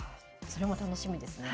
それも楽しみですね。